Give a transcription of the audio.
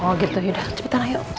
oh gitu yaudah cepetan ayo